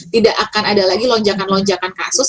tidak akan ada lagi lonjakan lonjakan kasus